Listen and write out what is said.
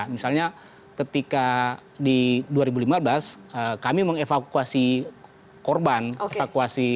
misalnya ketika di dua ribu lima belas kami mengevakuasi korban evakuasi